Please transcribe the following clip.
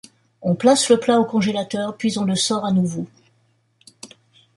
On place le plat au congélateur, puis on le sort à nouveau.